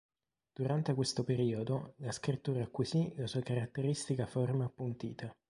Durante questo periodo la scrittura acquisì la sua caratteristica forma appuntita.